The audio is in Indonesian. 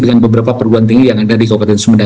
dengan beberapa perubahan tinggi yang ada di kabupaten sunda